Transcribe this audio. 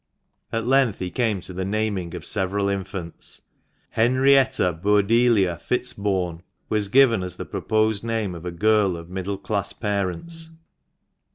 At length he came to the naming of several infants. " Henrietta Burdelia Fitzbourne " was given as the proposed name of a girl of middle class parents.